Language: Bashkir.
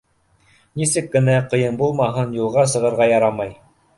Нисек кенә ҡыйын булмаһын — юлға сығырға ярамай.